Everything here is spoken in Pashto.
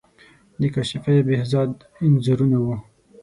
د کاشفی، بهزاد انځورونه وو.